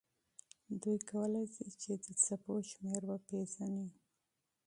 دوی کولی شي چې د څپو شمېر وپیژني.